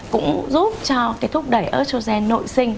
cũng giúp cho cái thúc đẩy estrogen nội sinh